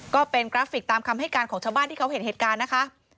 ก็เป็นกราฟิกตามคำให้การของชาวบ้านที่เขาเห็นเหตุการณ์นะคะ